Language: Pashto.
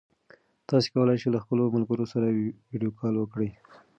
تاسي کولای شئ له خپلو ملګرو سره ویډیو کال وکړئ.